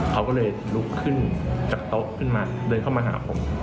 เขาก็เลยลุกขึ้นจากโต๊ะขึ้นมาเดินเข้ามาหาผม